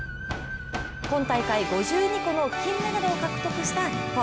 今大会５２個の金メダルを獲得した日本。